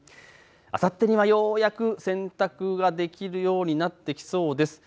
あさってはようやく洗濯ができるようになってきそうです。